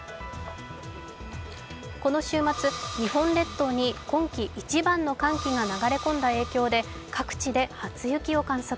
この週末、日本列島に今季一番の寒気が流れ込んだ影響で各地で初雪を観測。